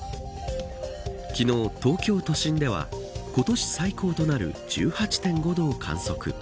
昨日、東京都心では今年最高となる１８．５度を観測。